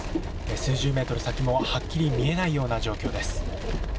数十メートル先もはっきり見えないような状況です。